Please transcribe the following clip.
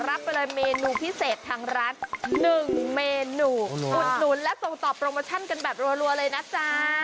รับไปเลยเมนูพิเศษทางร้าน๑เมนูอุดหนุนและส่งต่อโปรโมชั่นกันแบบรัวเลยนะจ๊ะ